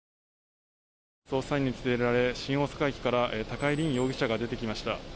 捜査員に連れられ新大阪駅から高井凜容疑者が出てきました。